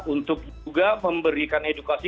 untuk juga memberikan edukasi